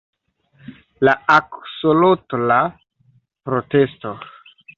La aksolotla protesto